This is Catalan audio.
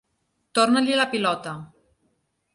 Tornar-li la pilota.